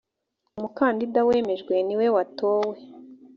umukandida wemejwe niwe watowe.